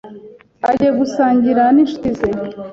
agiye gusangira n’inshuti ze,